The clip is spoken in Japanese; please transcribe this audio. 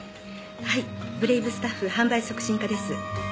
はいブレイブスタッフ販売促進課です。